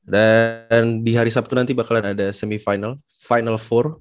dan di hari sabtu nanti bakalan ada semifinal final empat